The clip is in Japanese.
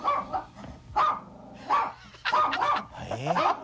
「えっ？」